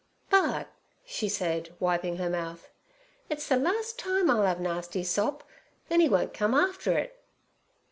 'But' she said, wiping her mouth, 'it's the last time Ill 'ave nasty sop, then 'e wont come after it.'